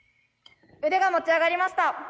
腕が持ち上がりました。